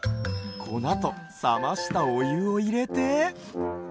こなとさましたおゆをいれて。